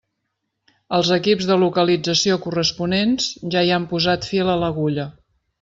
Els equips de localització corresponents ja hi han posat fil a l'agulla.